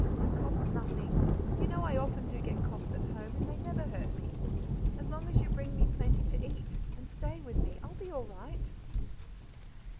My cough's nothing; you know I often do get coughs at home, and they never hurt me. As long as you bring me plenty to eat, and stay with me, I'll be all right."